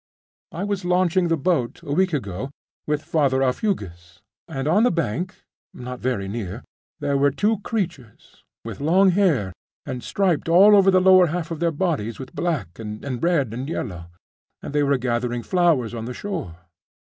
'I was launching the boat, a week ago, with Father Aufugus; and on the bank,....not very near,....there were two creatures....with long hair, and striped all over the lower half of their bodies with black, and red, and yellow....and they were gathering flowers on the shore.